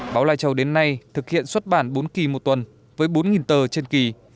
báo lai châu đến nay thực hiện xuất bản bốn kỳ một tuần với bốn tờ trên kỳ